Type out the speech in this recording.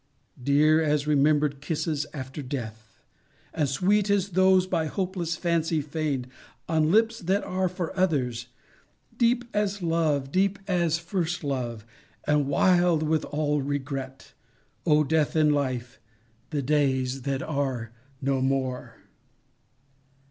Dear as remember'd kisses after death, And sweet as those by hopeless fancy feign'd On lips that are for others; deep as love, Deep as first love, and wild with all regret; O Death in Life, the days that are no more.